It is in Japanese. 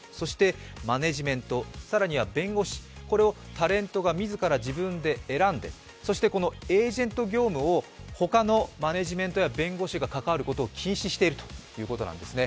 マネジメント、更には弁護士をタレントが自ら自分で選んでそしてこのエージェント業務を他のマネジメントや弁護士が関わることを禁止しているんですね。